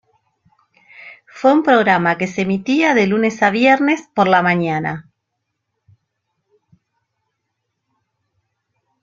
Fue un programa que se emitía de lunes a viernes por la mañana.